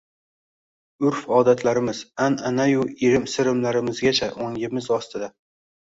Urf-odatlarimiz, anʼanayu irim-sirimlarimizgacha, ongimiz ostida